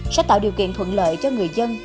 sẽ tạo điều kiện thuận lợi cho người dân